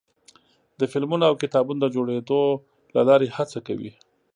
د فلمونو او کتابونو د جوړېدو له لارې هڅه کوي.